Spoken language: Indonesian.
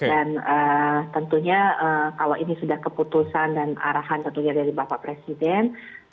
dan tentunya kalau ini sudah keputusan dan arahan tentunya dari bapak presiden